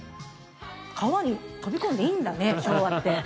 川に飛び込んでいいんだね昭和って。